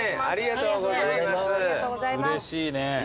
うれしいね。